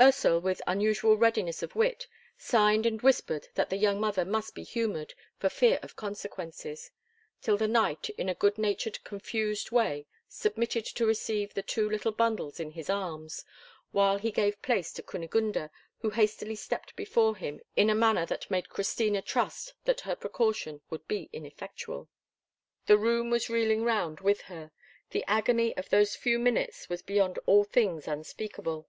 Ursel, with unusual readiness of wit, signed and whispered that the young mother must be humoured, for fear of consequences; till the knight, in a good natured, confused way, submitted to receive the two little bundles in his arms, while he gave place to Kunigunde, who hastily stepped before him in a manner that made Christina trust that her precaution would be effectual. The room was reeling round with her. The agony of those few minutes was beyond all things unspeakable.